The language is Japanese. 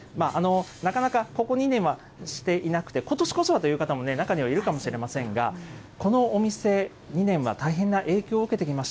なかなかここ２年はしていなくて、ことしこそはという方もね、中にはいるかもしれませんが、このお店、２年は大変な影響を受けてきました。